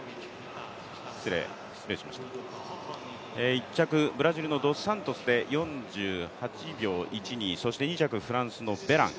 １着、ブラジルのドスサントスで４８秒１２、そして２着、フランスのベラン。